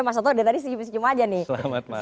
mas soto udah tadi siap siap aja nih